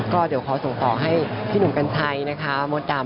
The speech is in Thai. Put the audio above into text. ก็เดี๋ยวขอส่งต่อให้พี่หนุ่มกัญชัยนะคะมดดำ